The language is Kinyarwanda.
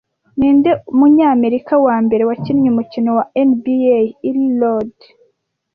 Ninde munyamerika wambere wakinnye umukino wa NBA Earl Lloyd